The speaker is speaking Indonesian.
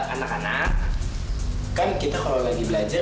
anak anak kan kita kalau lagi belajar